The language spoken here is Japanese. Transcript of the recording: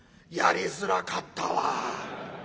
やりづらかったわ。